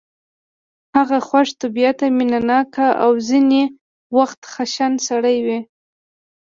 هغه خوش طبیعته مینه ناک او ځینې وخت خشن سړی و